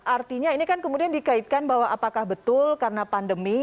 artinya ini kan kemudian dikaitkan bahwa apakah betul karena pandemi